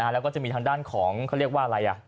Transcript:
แล้วก็จะมีทางด้านของเขาเรียกว่าอะไร